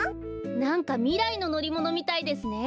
なんかみらいののりものみたいですね。